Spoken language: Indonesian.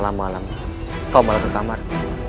kenapa malam malam kau malam ke kamar